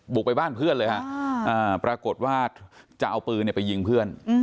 บุกไปบ้านเพื่อนเลยฮะปรากฏว่าจะเอาปืนไปยิงเพื่อน